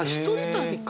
旅か！